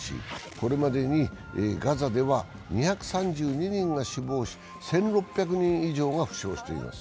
これまでにガザでは２３２人が死亡し１６００人以上が負傷しています。